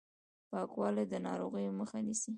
پاکوالی د ناروغیو مخه نیسي.